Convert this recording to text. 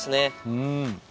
うん。